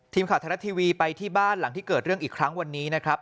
ทีมข่าวไทยรัฐทีวีไปที่บ้านหลังที่เกิดเรื่องอีกครั้งวันนี้นะครับ